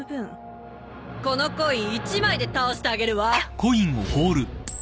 このコイン１枚で倒してあげるわ。